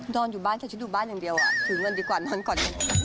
นอนอยู่บ้านฉันอยู่บ้านอย่างเดียวถือเงินดีกว่านอนก่อน